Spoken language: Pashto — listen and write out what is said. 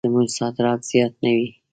زموږ صادرات زیات نه دي.